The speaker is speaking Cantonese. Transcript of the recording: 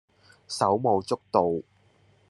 手舞足蹈